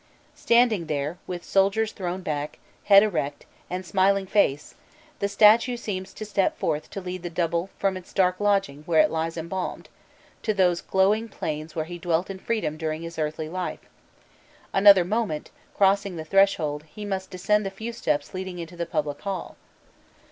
Standing there, with shoulders thrown back, head erect, and smiling face, the statue seems to step forth to lead the double from its dark lodging where it lies embalmed, to those glowing plains where he dwelt in freedom during his earthly life: another moment, crossing the threshold, he must descend the few steps leading into the public hall.